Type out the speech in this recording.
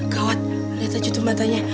gawat lihat aja tuh matanya